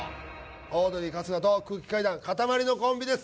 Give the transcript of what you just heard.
オードリー春日と空気階段かたまりのコンビです